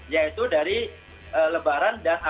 yaitu dari lebaran dan